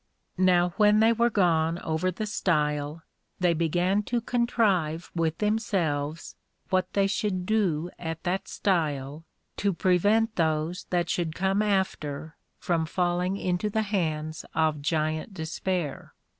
Now when they were gone over the Stile, they began to contrive with themselves what they should do at that Stile, to prevent those that should come after from falling into the hands of Giant Despair.